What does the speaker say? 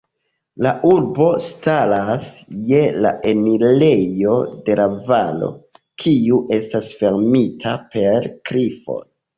La urbo staras je la enirejo de la valo, kiu estas fermita per klifoj.